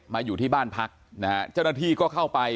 อยู่ที่บ้านพักนะฮะเจ้าหน้าที่ก็เข้าไป